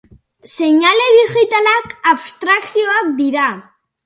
Seinale digitalak abstrakzioak dira.